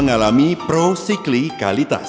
bunda adaptation permisionalatie apa yang sering terjadi